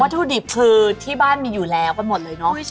ถุดิบคือที่บ้านมีอยู่แล้วไปหมดเลยเนอะ